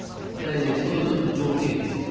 一つ一つの条件について。